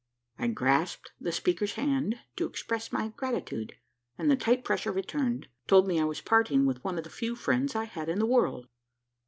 I grasped the speaker's hand, to express my gratitude; and the tight pressure returned, told me I was parting with one of the few friends I had in the world.